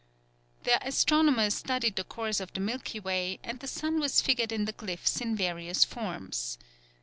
Their astronomers studied the course of the Milky Way and the sun was figured in the glyphs in various forms.